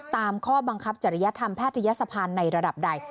ตามข้อบังคับจริยธรรมแพทยศภาในระดับใด